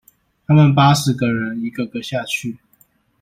他們八十個人一個個下去